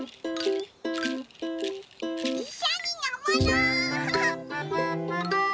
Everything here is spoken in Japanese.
いっしょにのぼろう。